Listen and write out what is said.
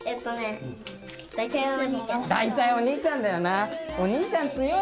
だいたいお兄ちゃんだよな。